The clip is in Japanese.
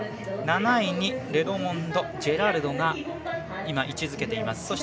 ７位にレドモンド・ジェラルドが位置づけています。